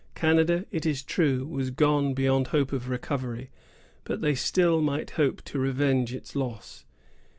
Canada, it is true, was gone beyond hope of recovery; but they still might hope to revenge its loss.